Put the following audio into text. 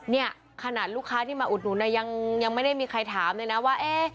เนี่ยขนาดลูกค้าที่มาอุดหนุนยังไม่ได้มีใครถามเลยนะว่า